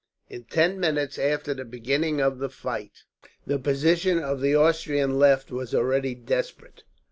In ten minutes after the beginning of the fight, the position of the Austrian left was already desperate.